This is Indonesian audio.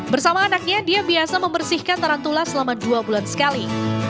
bersama anaknya dia biasa membersihkan tarantula selama dua bulan sekali